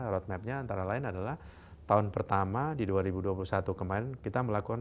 roadmapnya antara lain adalah tahun pertama di dua ribu dua puluh satu kemarin kita melakukan